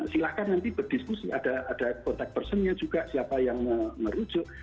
silahkan nanti berdiskusi ada kontak personnya juga siapa yang merujuk